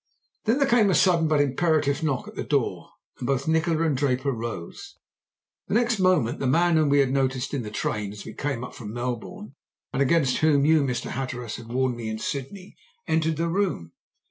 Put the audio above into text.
"Then there came a sudden but imperative knock at the door, and both Nikola and Draper rose. Next moment the man whom we had noticed in the train as we came up from Melbourne, and against whom you, Mr. Hatteras, had warned me in Sydney, entered the room.